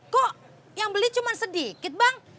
kok yang beli cuma sedikit bang